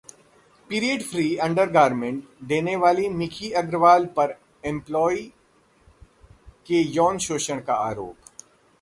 period-free undergarment देने वालीं Mickey Agarwal पर employee के यौन शोषण का आरोप